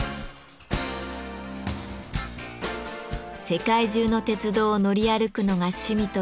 世界中の鉄道を乗り歩くのが趣味という向谷さん。